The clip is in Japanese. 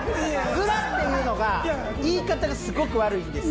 ヅラっていうのが言い方がすごく悪いんです。